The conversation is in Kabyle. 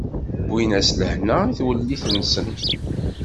Wwin-as lehna i twellit-nsen.